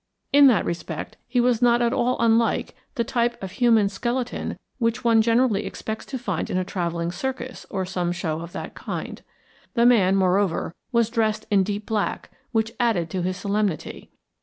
In that respect he was not at all unlike the type of human skeleton which one generally expects to find in a travelling circus, or some show of that kind. The man, moreover, was dressed in deep black, which added to his solemnity.